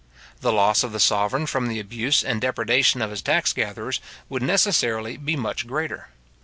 The loss of the sovereign, from the abuse and depredation of his tax gatherers, would necessarily be much greater.